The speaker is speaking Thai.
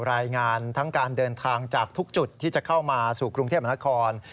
รายงานทั้งการเดินทางจากทุกจุดที่จะเข้ามาสู่กรุงเทพมหานคร